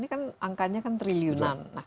ini kan angkanya kan triliunan